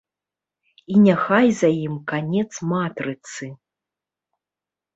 І няхай за ім канец матрыцы.